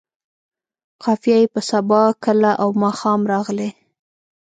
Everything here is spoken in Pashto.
قافیه یې په سبا، کله او ماښام راغلې.